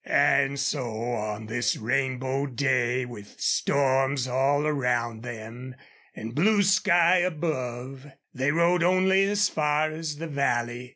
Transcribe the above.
And so on this rainbow day, with storms all around them, and blue sky above, they rode only as far as the valley.